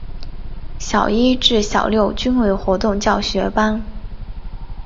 小一至小六均为活动教学班。